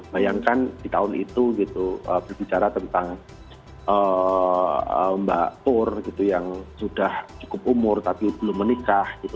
bayangkan di tahun itu gitu berbicara tentang mbak tur gitu yang sudah cukup umur tapi belum menikah gitu